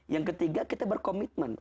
yang ketiga kita berkomitmen